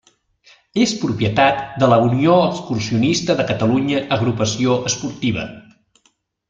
És propietat de la Unió Excursionista de Catalunya Agrupació Esportiva.